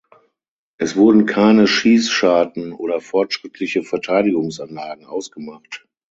Es wurden keine Schießscharten oder fortschrittliche Verteidigungsanlagen ausgemacht.